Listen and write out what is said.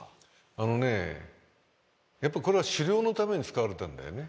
あのねやっぱこれは狩猟のために使われたんだよね。